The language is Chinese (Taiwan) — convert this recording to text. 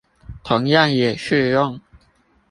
同樣也適用